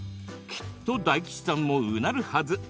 きっと大吉さんも、うなるはず。